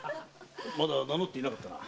まだ名乗っていなかったな。